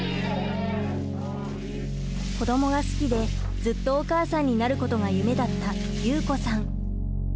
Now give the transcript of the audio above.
子どもが好きでずっとお母さんになることが夢だった祐子さん。